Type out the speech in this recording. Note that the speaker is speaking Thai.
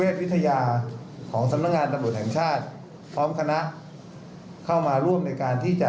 วิทยาของสำนักงานตำรวจแห่งชาติพร้อมคณะเข้ามาร่วมในการที่จะ